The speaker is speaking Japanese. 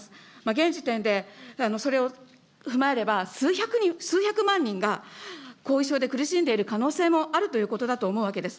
現時点で、それを踏まえれば数百万人が後遺症で苦しんでいる可能性もあるということだと思うわけです。